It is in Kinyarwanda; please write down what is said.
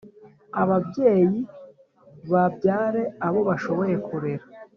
Ababyeyi babyare abo bashoboye kurera